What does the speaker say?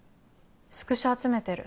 スクショ集めてる。